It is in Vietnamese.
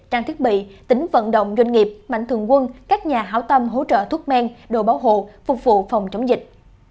trang thiết bị tính vận động doanh nghiệp mạnh thường quân các nhà hảo tâm hỗ trợ thuốc men đồ bảo hộ phục vụ phòng chống dịch